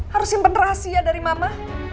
harus simpen rahasia dari mama